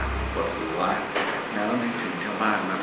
ผมปลอดหูว่าแม้เราได้ถึงเธอมากมัน